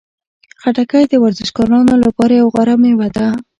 خټکی د ورزشکارانو لپاره یوه غوره میوه ده.